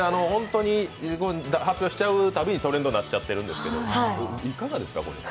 本当に発表しちゃうたびにトレンドになっちゃっているんですけど、いかがですか？